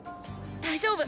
大丈夫！